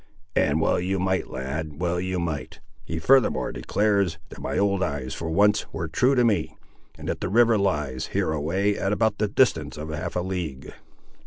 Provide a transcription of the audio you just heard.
"And well you might, lad; well you might. He furthermore declares, that my old eyes for once were true to me, and that the river lies, hereaway, at about the distance of half a league.